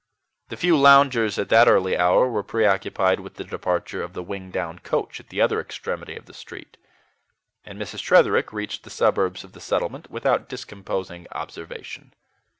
The few loungers at that early hour were preoccupied with the departure of the Wingdown coach at the other extremity of the street; and Mrs. Tretherick reached the suburbs of the settlement without discomposing observation.